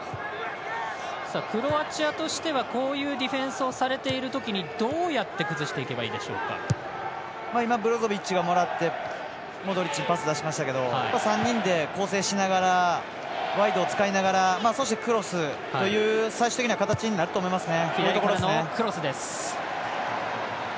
クロアチアとしてはこういうディフェンスをされているときにどうやって今、ブロゾビッチが戻ってモドリッチにパス出しましたけど３人で構成しながらワイドを使いながらそしてクロスという最終的には形になると思いますね。